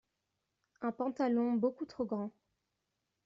Un pantalon beaucoup trop grand.